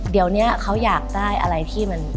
เดี๋ยวนี้เขาอยากได้อะไรที่มัน